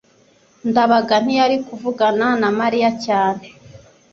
ndabaga ntiyari kuvugana na mariya cyane